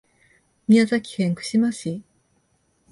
宮崎県串間市